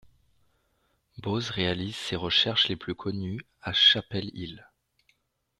Bose réalise ses recherches les plus connues à Chapel Hill.